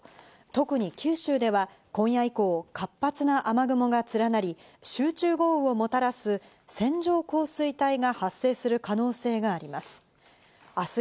特に九州では今夜以降、活発な雨雲が連なり、集中豪雨をもたらす線状降水帯が発生する可能性があります。